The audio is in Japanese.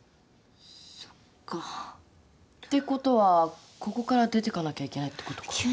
そっか。ってことはここから出てかなきゃいけないってことか。